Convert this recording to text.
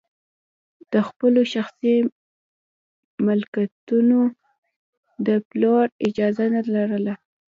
د خپلو شخصي ملکیتونو د پلور اجازه نه لرله.